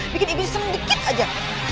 bikin ibu sedikit aja